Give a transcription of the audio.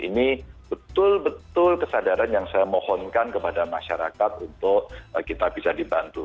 ini betul betul kesadaran yang saya mohonkan kepada masyarakat untuk kita bisa dibantu